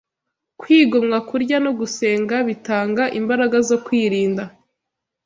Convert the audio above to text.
Kwigomwa Kurya no Gusenga Bitanga Imbaraga zo Kwirinda